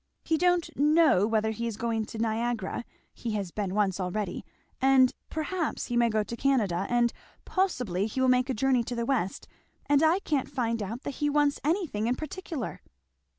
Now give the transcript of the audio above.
He don't snow whether he is going to Niagara, he has been once already and 'perhaps' he may go to Canada, and 'possibly' he will make a journey to the West, and I can't find out that he wants anything in particular."